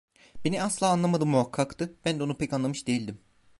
Beni asla anlamadığı muhakkaktı; ben de onu pek anlamış değildim.